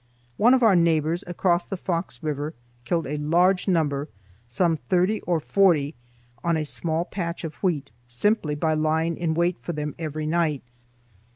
One of our neighbors across the Fox River killed a large number, some thirty or forty, on a small patch of wheat, simply by lying in wait for them every night.